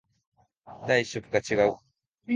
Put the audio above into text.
第一色が違う